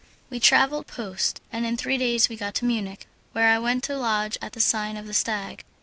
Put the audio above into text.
We travelled post, and in three days we got to Munich, where I went to lodge at the sign of the "Stag."